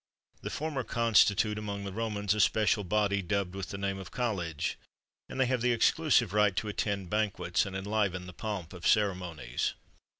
[XXXV 30] The former constitute, among the Romans, a special body dubbed with the name of College, and they have the exclusive right to attend banquets and enliven the pomp of ceremonies.